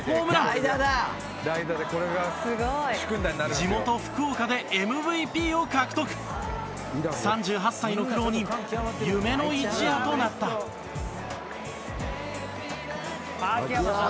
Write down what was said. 地元、福岡でＭＶＰを獲得３８歳の苦労人夢の一夜となった藤原：秋山さん。